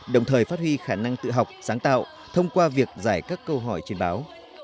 đồng thời phát huy khả năng tự học sáng tạo thông qua việc giải các câu hỏi trên báo